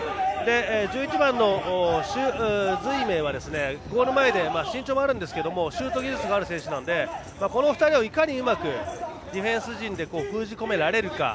１１番の朱瑞銘はゴール前で身長もありますがシュート技術があるのでこの２人をいかにうまくディフェンス陣で封じ込められるか。